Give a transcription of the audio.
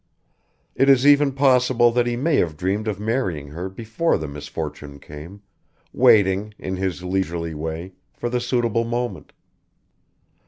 It is even possible that he may have dreamed of marrying her before the misfortune came, waiting, in his leisurely way, for the suitable moment.